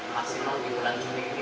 maksimal di bulan juni ini